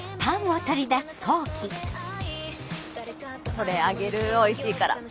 これあげるおいしいから。